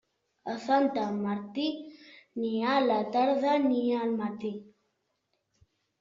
A Sant Martí, ni a la tarda ni al matí.